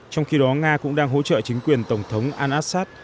trong khi đó nga cũng đang hỗ trợ chính quyền tổng thống al assad